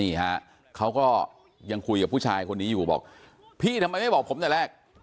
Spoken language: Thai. นี่ฮะเขาก็ยังคุยกับผู้ชายคนนี้อยู่บอกพี่ทำไมไม่บอกผมแต่แรก